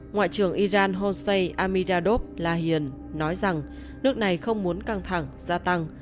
ngoại trưởng iran hossein amiradov lahian nói rằng nước này không muốn căng thẳng gia tăng